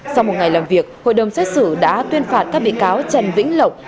sau một ngày làm việc hội đồng xét xử đã tuyên phạt các bị cáo trần vĩnh lộc